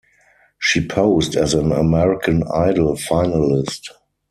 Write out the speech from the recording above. She posed as an American Idol Finalist.